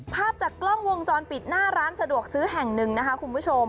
ภาพจากกล้องวงจรปิดหน้าร้านสะดวกซื้อแห่งหนึ่งนะคะคุณผู้ชม